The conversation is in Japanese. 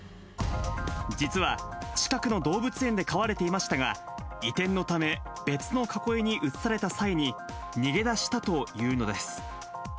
実は、近くの動物園で飼われていましたが、移転のため、別の囲いに移された際に、逃げ出したというのです。